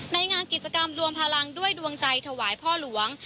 ในงานกิจกรรมรวมพลังด้วยดวงใจถวายพ่อหลวง